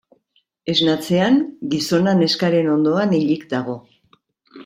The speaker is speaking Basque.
Esnatzean gizona neskaren ondoan hilik dago.